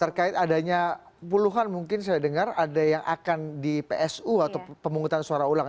terkait adanya puluhan mungkin saya dengar ada yang akan di psu atau pemungutan suara ulang